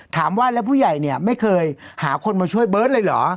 ถามว่าแล้วผู้ใหญ่เนี่ยไม่เคยหาคนมาช่วยเบิร์ตเลยเหรอ